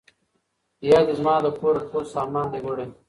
یا دي زما له کوره ټول سامان دی وړی